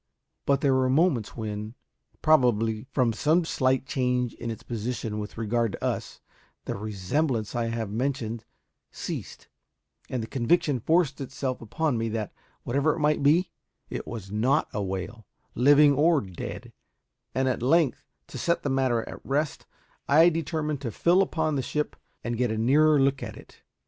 But there were moments when, probably from some slight change in its position with regard to us, the resemblance I have mentioned ceased, and the conviction forced itself upon me that, whatever it might be, it was not a whale, living or dead; and at length, to set the matter at rest, I determined to fill upon the ship and get a nearer look at it.